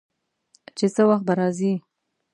چې څه وخت به راځي.